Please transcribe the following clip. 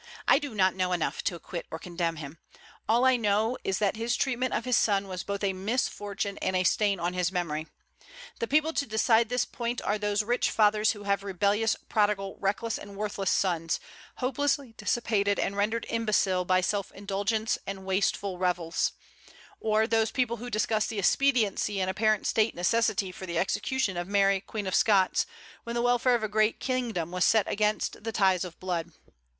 I do not know enough to acquit or condemn him. All I know is, that his treatment of his son was both a misfortune and a stain on his memory. The people to decide this point are those rich fathers who have rebellious, prodigal, reckless, and worthless sons, hopelessly dissipated, and rendered imbecile by self indulgence and wasteful revels; or those people who discuss the expediency and apparent state necessity for the execution of Mary, Queen of Scots, when the welfare of a great kingdom was set against the ties of blood.